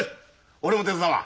俺も手伝うわ。